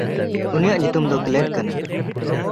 ᱩᱱᱤᱭᱟᱜ ᱧᱩᱛᱩᱢ ᱫᱚ ᱠᱞᱮᱵ ᱠᱟᱱᱟ᱾